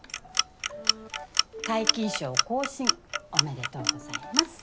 皆勤賞更新おめでとうございます。